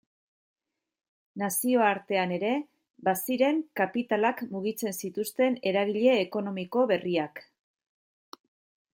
Nazioartean ere, baziren kapitalak mugitzen zituzten eragile ekonomiko berriak.